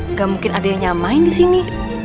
nggak mungkin ada yang nyamain di sini